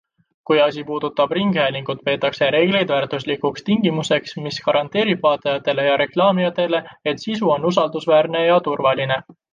Kui asi puudutab ringhäälingut, peetakse reegleid väärtuslikuks tingimuseks, mis garanteerib vaatajatele ja reklaamijatele, et sisu on usaldusväärne ja turvaline.